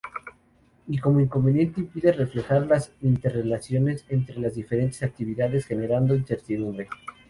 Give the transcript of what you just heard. Y como inconveniente impide reflejar las interrelaciones entre las diferentes actividades, generando incertidumbre.